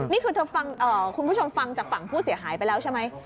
นี่คือเธอฟังคุณผู้ชมฟังจากฝั่งผู้เสียหายไปแล้วใช่ไหม